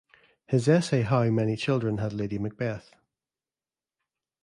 His essay How many children had Lady Macbeth?